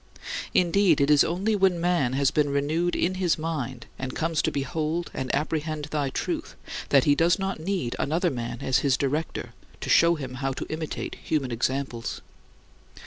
Indeed, it is only when man has been renewed in his mind, and comes to behold and apprehend thy truth, that he does not need another man as his director, to show him how to imitate human examples.